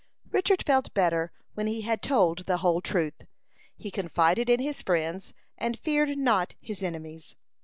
Richard felt better when he had told the whole truth. He confided in his friends, and feared not his enemies.